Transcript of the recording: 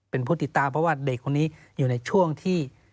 เป็นผู้ติดตามเพราะว่าเด็กคนนี้อยู่ในช่วงที่